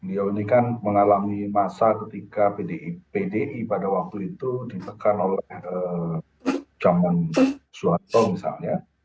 ini kan mengalami masa ketika pdi pada waktu itu ditekan oleh jaman suharto misalnya